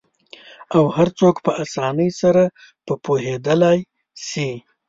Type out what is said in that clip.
او هرڅوک په آسانۍ سره په پوهیدالی سي